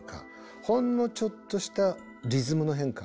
ほんのちょっとしたリズムの変化